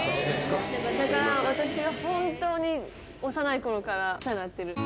だから、私が本当に幼いころからお世話になってる。